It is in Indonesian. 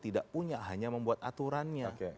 tidak punya hanya membuat aturannya